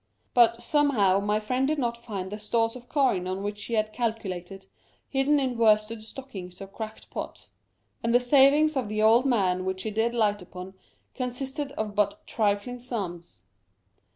But, somehow, my friend did not find the stores of coin on which he had calculated, hidden in worsted stockings or cracked pots ; and the savings of the old man which he did light upon consisted of but trifling sums.